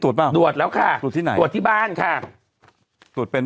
เปล่าตรวจแล้วค่ะตรวจที่ไหนตรวจที่บ้านค่ะตรวจเป็น